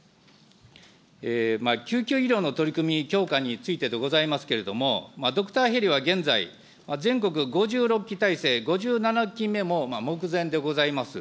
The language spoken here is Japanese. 救急医療の取り組み強化についてでございますけれども、ドクターヘリは現在、全国５６機体制、５７機目も目前でございます。